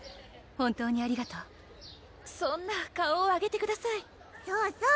本当にありがとうそんな顔を上げてくださいそそ